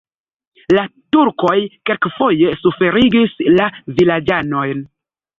La turkoj kelkfoje suferigis la vilaĝanojn.